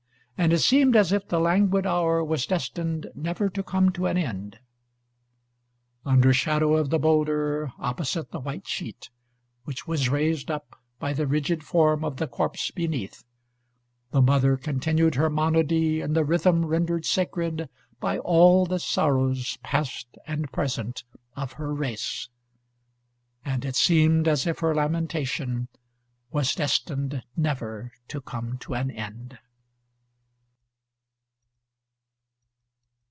And it seemed as if the languid hour was destined never to come to an end. Under shadow of the bowlder, opposite the white sheet, which was raised up by the rigid form of the corpse beneath, the mother continued her monody in the rhythm rendered sacred by all the sorrows, past and present, of her race. And it seemed as if her lamentation was destined never to come to an end.